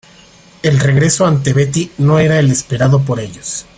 El regreso ante Betty no será el esperado por ellos.